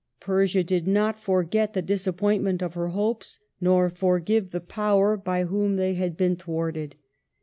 Persia did not forget the disappoint ment of her hopes, nor forgive the Power by whom they had been thwarted.